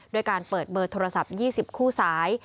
ด้วยการเปิดเบอร์โทรศัพท์๒๐คู่สาย